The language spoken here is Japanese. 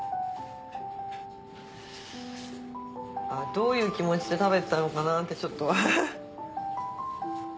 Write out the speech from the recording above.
どういう気持ちで食べてたのかなってちょっと。